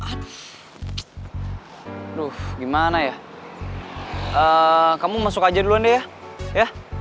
aduh gimana ya kamu masuk aja duluan deh ya